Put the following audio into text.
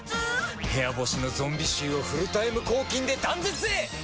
部屋干しのゾンビ臭をフルタイム抗菌で断絶へ！